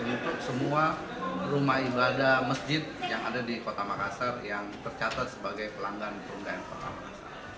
untuk semua rumah ibadah masjid yang ada di kota makassar yang tercatat sebagai pelanggan perundangan pertama